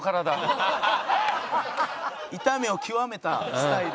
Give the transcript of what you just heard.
炒めを極めたスタイル。